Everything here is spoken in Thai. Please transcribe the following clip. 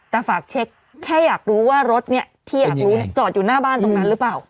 แต่ฝากเช็คแค่อยากรู้ว่ารถเนี่ยที่อยากรู้จอดอยู่หน้าบ้านตรงนั้นหรือเปล่า